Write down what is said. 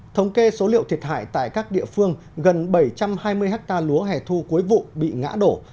thống kê số liệu thiệt hại tại các địa phương gần bảy trăm hai mươi ha lúa hẻ thu cuối vụ bị ngã đổ